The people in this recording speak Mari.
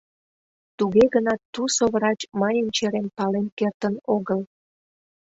Туге гынат тусо врач мыйын черем пален кертын огыл.